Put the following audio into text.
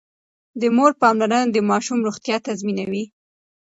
د مور پاملرنه د ماشوم روغتيا تضمينوي.